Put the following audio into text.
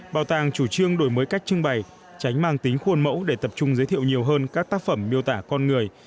bảo tàng chủ trương đổi mới cách trưng bày tránh mang tính khuôn mẫu để tập trung giới thiệu nhiều hơn các tác phẩm miêu tả con người